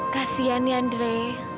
kasian ya ndre